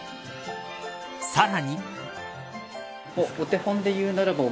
さらに。